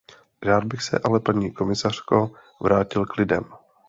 Rád bych se ale, paní komisařko, vrátil k lidem.